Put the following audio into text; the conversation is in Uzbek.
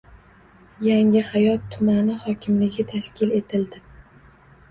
Yangihayot tumani hokimligi tashkil etildi